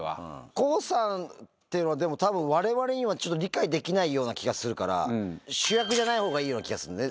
康さんっていうのは、でも、たぶんわれわれにはちょっと理解できないような気がするから、主役じゃないほうがいい気がするんだよね。